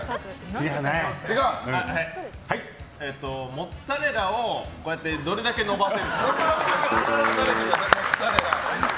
モッツァレラをどれだけ伸ばせるか。